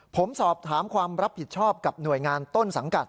ผมสอบถามความรับผิดชอบกับหน่วยงานต้นสังกัด